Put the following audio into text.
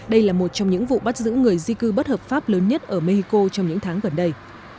đây là một trong những vụ bắt giữ người di cư bất hợp pháp lớn nhất ở mexico trong những tháng gần đây